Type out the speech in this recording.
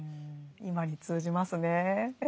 今に通じますね。